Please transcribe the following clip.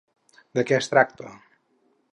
De què es tracta?